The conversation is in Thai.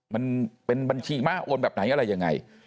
มันเป็นบัญชีม้าโอนแบบไหนอะไรยังไง